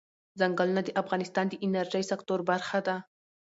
ځنګلونه د افغانستان د انرژۍ سکتور برخه ده.